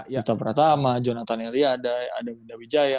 yuta pratama jonathan elia ada winda wijaya